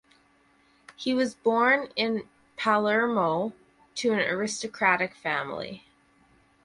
He was born in Palermo to an aristocratic family.